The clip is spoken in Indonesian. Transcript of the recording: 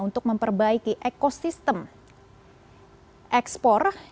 untuk memperbaiki ekosistem ekspor